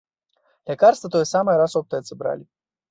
Лякарства тое самае раз у аптэцы бралі.